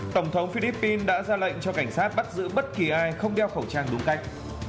tổng thống philippines đã ra lệnh cho cảnh sát bắt giữ bất kỳ ai không đeo khẩu trang đúng cách